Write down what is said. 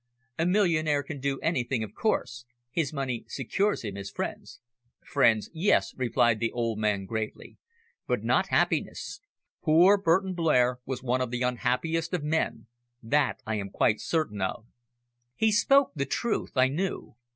"A millionaire can do anything, of course. His money secures him his friends." "Friends, yes," replied the old man, gravely; "but not happiness. Poor Burton Blair was one of the unhappiest of men, that I am quite certain of." He spoke the truth, I knew.